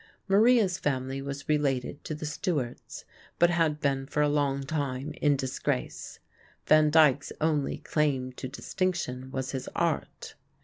Maria's family was related to the Stuarts; but had been for a long time in disgrace. Van Dyck's only claim to distinction was his art.